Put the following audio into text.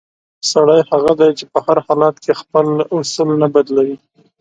سړی هغه دی چې په هر حالت کې خپل اصول نه بدلوي.